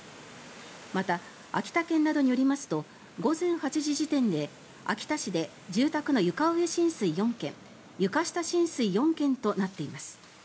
また、秋田県などによりますと午前８時時点で秋田市で住宅の床上浸水４件床下浸水４件となっています。